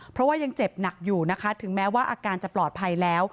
เพราะว่ายังเจ็บหนักอยู่นะคะถึงแม้ว่าอาการจะปลอดภัยแล้ว